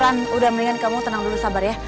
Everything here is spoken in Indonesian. kan udah mendingan kamu tenang dulu sabar ya